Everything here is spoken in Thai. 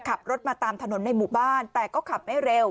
ขับรถมาตามถนนในหมู่บ้านแต่ก็ขับไม่เร็ว